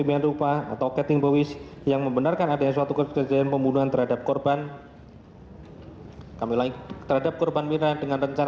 maka kami akan langsung membaca